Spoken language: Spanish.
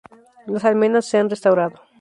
Las almenas se has restaurado.